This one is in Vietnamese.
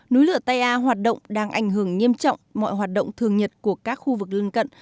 núi lửa ta hoạt động đang ảnh hưởng nghiêm trọng mọi hoạt động thường nhật của các khu vực lân cận